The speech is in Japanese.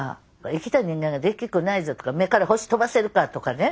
生きた人間ができっこないぞとか目から星飛ばせるかとかね。